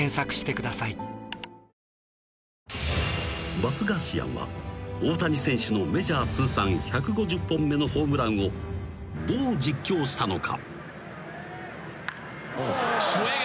［バスガーシアンは大谷選手のメジャー通算１５０本目のホームランをどう実況したのか？］